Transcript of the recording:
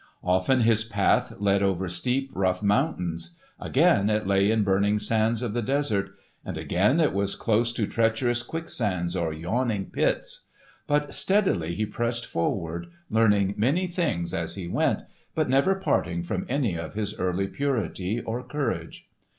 Often his path led over steep, rough mountains; again it lay in burning sands of the desert; and again it was close to treacherous quicksands or yawning pits. But steadily he pressed forward, learning many things as he went, but never parting from any of his early purity or courage.